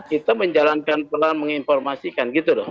kita menjalankan peran menginformasikan gitu loh